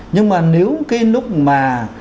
nhưng mà nếu cái lúc mà